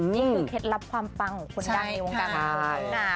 นี่คือเคล็ดลับความฟังของคนดังในวงกรรม